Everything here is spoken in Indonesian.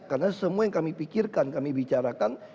karena semua yang kami pikirkan kami bicarakan